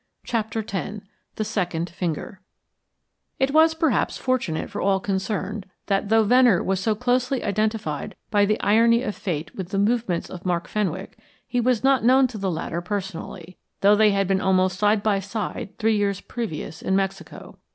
CHAPTER X THE SECOND FINGER It was, perhaps, fortunate for all concerned that, though Venner was so closely identified by the irony of Fate with the movements of Mark Fenwick, he was not known to the latter personally, though they had been almost side by side three years previous in Mexico.